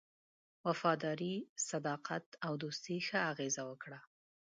وفاداري، صداقت او دوستی ښه اغېزه وکړه.